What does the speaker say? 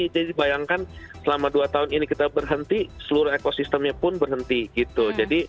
jadi bayangkan selama dua tahun ini kita berhenti seluruh ekosistemnya pun berhenti gitu